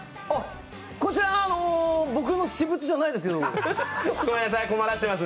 こちらはあの僕の私物じゃないですけど。